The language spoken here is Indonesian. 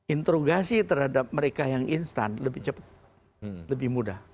interogasi terhadap mereka yang instan lebih cepat lebih mudah